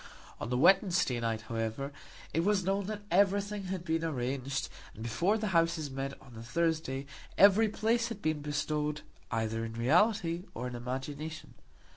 On the Wednesday night, however, it was known that everything had been arranged, and before the Houses met on the Thursday every place had been bestowed, either in reality or in imagination.